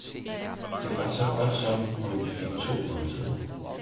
det var saagodtsom om vi fik to Maaltider.